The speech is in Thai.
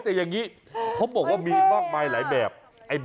แต่อย่างนี้เขาบอกว่ามีมากมายหลายแบบ